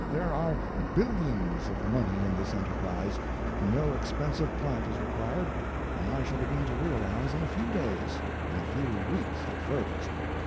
There are billions of money in this enterprise, no expensive plant is required, and I shall begin to realize in a few days—in a few weeks at furthest.